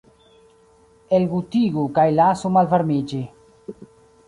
Elgutigu kaj lasu malvarmiĝi.